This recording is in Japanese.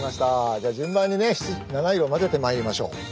じゃあ順番にね７色まぜてまいりましょう。